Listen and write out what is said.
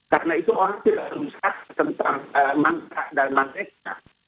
karena itu orang tidak terbicara tentang mangsa dan manteknya